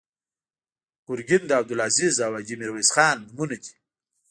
ګرګین د عبدالعزیز او حاجي میرویس خان نومونه دي.